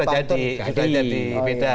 kan dia sudah jadi